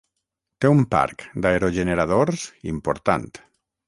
Té un parc d'aerogeneradors important.